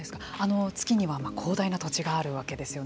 月には広大な土地があるわけですよね。